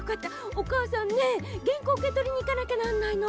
おかあさんねげんこううけとりにいかなきゃなんないの。